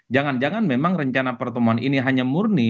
jangan jangan memang rencana pertemuan ini hanya murni